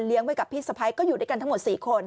ไว้กับพี่สะพ้ายก็อยู่ด้วยกันทั้งหมด๔คน